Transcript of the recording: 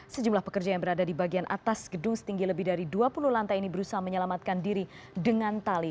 sejumlah pekerja yang berada di bagian atas gedung setinggi lebih dari dua puluh lantai ini berusaha menyelamatkan diri dengan tali